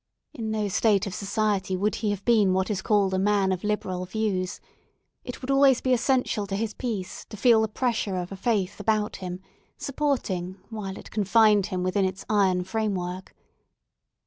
In no state of society would he have been what is called a man of liberal views; it would always be essential to his peace to feel the pressure of a faith about him, supporting, while it confined him within its iron framework.